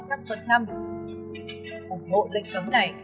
ủng hộ lệnh cấm này